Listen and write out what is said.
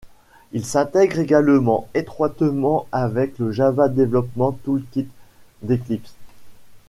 Il s'intègre également étroitement avec le Java Development Toolkit d'Eclipse.